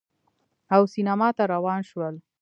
او سینما ته روان شول